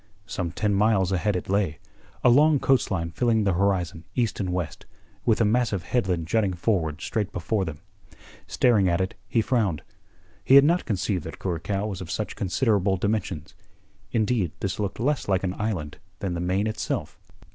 Some ten miles ahead it lay, a long coast line filling the horizon east and west, with a massive headland jutting forward straight before them. Staring at it, he frowned. He had not conceived that Curacao was of such considerable dimensions. Indeed, this looked less like an island than the main itself.